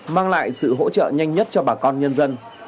mang lại sự hỗ trợ nhanh nhất cho bà con nhân dân